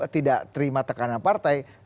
tidak terima tekanan partai